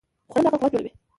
خوړل د عقل قوت جوړوي